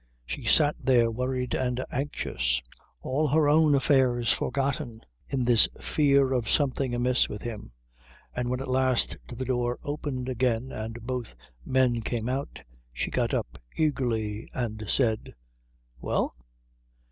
She sat there worried and anxious, all her own affairs forgotten in this fear of something amiss with him; and when at last the door opened again and both men came out she got up eagerly and said, "Well?"